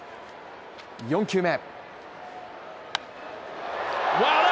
４球目。